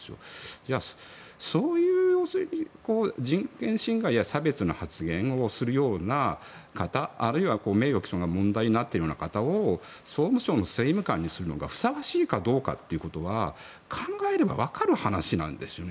じゃあ、そういう人権侵害や差別の発言をするような方あるいは名誉毀損が問題になっているような方を総務省の政務官にするのがふさわしいかどうかというのは考えればわかる話なんですよね。